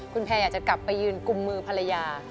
คุณแพรอยากจะกลับไปยืนกุมมือภรรยา